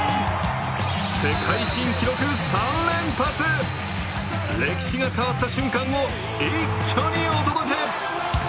世界新記録３連発歴史が変わった瞬間を一挙にお届け！